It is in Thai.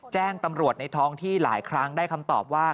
แจ้งตำรวจในท้องที่หลายครั้งได้คำตอบว่า